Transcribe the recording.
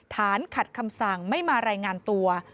ขัดคำสั่งไม่มารายงานตัว